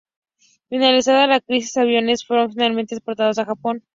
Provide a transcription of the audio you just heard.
Finalizada la crisis los aviones fueron finalmente exportados a Japón.